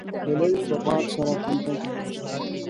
هیلۍ د باد سره همغږي الوزي